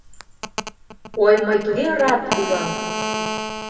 Ой, мый туге рат улам!